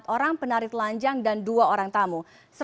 empat orang penarik lanjang dan dua orang tamu